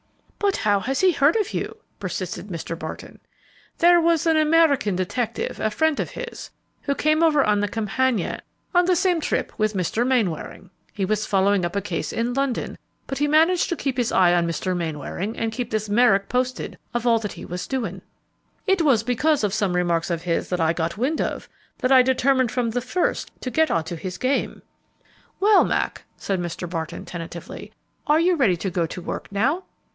"But how has he heard of you?" persisted Mr. Barton. "There was an American detective a friend of his who came over on the 'Campania' on the same trip with Mr. Mainwaring. He was following up a case in London, but he managed to keep his eye on Mr. Mainwaring and kept this Merrick posted of all that he was doing. It was because of some remarks of his that I got wind of, that I determined from the first to get onto his game." "Well, Mac," said Mr. Barton, tentatively, "are you ready to go to work now?"